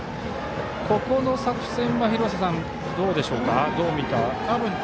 ここの作戦は、廣瀬さんどうみればいいでしょうか。